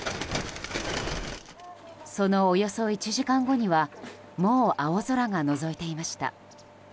そのおよそ１時間後にはもう青空がのぞいていました。